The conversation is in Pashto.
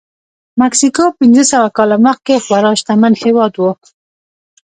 مکسیکو پنځه سوه کاله مخکې خورا شتمن هېواد و.